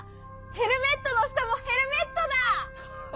ヘルメットの下もヘルメットだ！